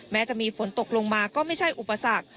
จะมีฝนตกลงมาก็ไม่ใช่อุปสรรค